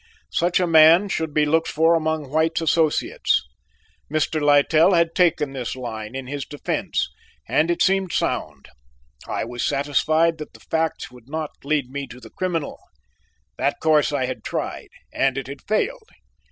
Such a man should be looked for among White's associates. Mr. Littell had taken this line in his defence, and it seemed sound. I was satisfied that the facts would not lead me to the criminal: that course I had tried, and it had failed.